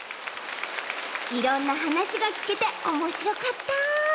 いろんなはなしがきけておもしろかった。